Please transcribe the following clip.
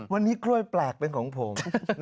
วันนี้กล้วยแปลกเป็นของผม